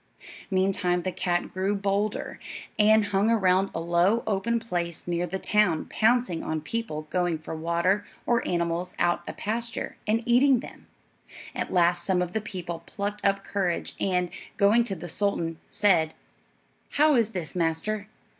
Meantime the cat grew bolder, and hung around a low, open place near the town, pouncing on people going for water, or animals out at pasture, and eating them. At last some of the people plucked up courage; and, going to the sultan, said: "How is this, master?